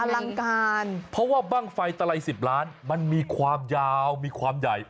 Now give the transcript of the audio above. อลังการเพราะว่าบ้างไฟตะไล๑๐ล้านมันมีความยาวมีความใหญ่